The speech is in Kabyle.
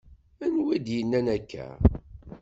Anwa i d-yenna akka?